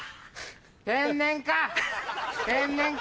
天然か！